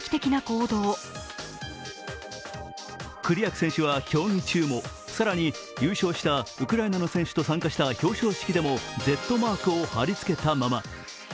クリアク選手は、競技中も、更に、優勝したウクライナの選手と参加した表彰式でも「Ｚ」マークを貼り付けたまま。